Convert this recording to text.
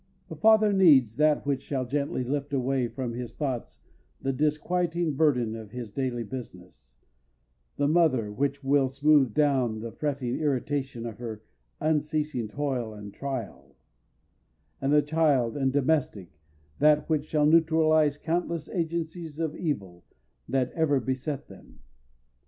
The father needs that which shall gently lift away from his thoughts the disquieting burden of his daily business; the mother, which will smooth down the fretting irritation of her unceasing toil and trial; and the child and domestic, that which shall neutralize the countless agencies of evil that ever beset them.